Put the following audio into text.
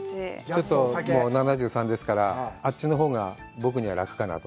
ちょっと７３ですから、あっちのほうが、僕には楽かなと。